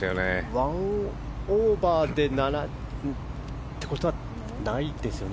１オーバーでっていうことはないですよね。